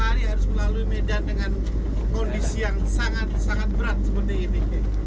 empat hari harus melalui medan dengan kondisi yang sangat sangat berat seperti ini